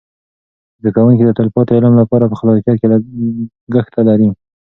زده کوونکي د تلپاتې علم لپاره په خلاقیت کې لګښته لري.